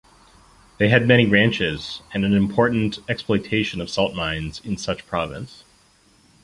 They had many ranches and an important exploitation of salt mines in such province.